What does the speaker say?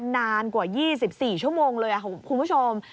นานกว่า๒๔ชั่วโมงเลยคุณผู้ชม